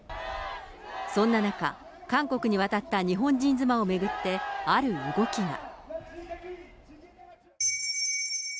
そんな中、韓国に渡った日本人妻を巡って、ある動きが。